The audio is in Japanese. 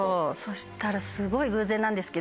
そしたらすごい偶然なんですけど。